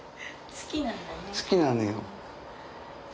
好きなのよ。